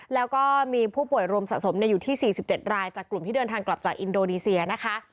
แล้วก็มีผู้ป่วยรวมสะสมอยู่ที่๔๗รายจากกลุ่มที่เดินทางกลับจากอินโดนีเซียนะคะ